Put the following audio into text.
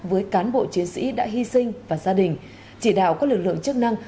với cán bộ chiến sĩ đã hy sinh và gia đình chỉ đạo các lực lượng chức năng